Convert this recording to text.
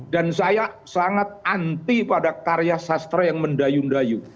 dan saya sangat anti pada karya sastra yang mendayu ndayu